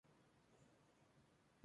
Por su condición, careció de descensos.